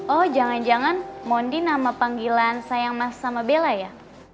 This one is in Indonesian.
oh jangan jangan mondi nama panggilan sayang mas sama bella ya